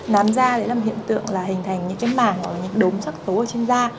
nám da là một hiện tượng hình thành những mảng những đốm sắc tố trên da